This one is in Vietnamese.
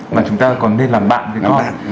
mà chúng ta còn nên làm bạn với con